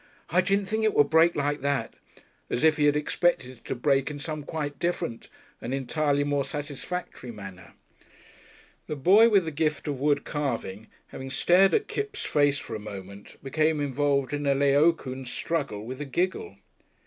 "I didn't think it would break like that," as if he had expected it to break in some quite different and entirely more satisfactory manner. The boy with the gift of wood carving having stared at Kipps' face for a moment, became involved in a Laocoon struggle with a giggle.